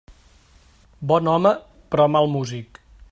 Bon home però mal músic.